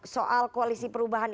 soal koalisi perubahan